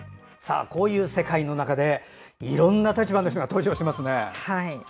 こういう世界の中でいろんな立場の人が登場しますね。